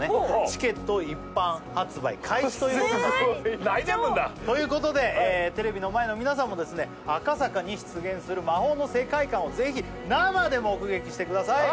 チケットを一般発売開始ということに来年分だということでテレビの前の皆さんもですね赤坂に出現する魔法の世界観をぜひ生で目撃してください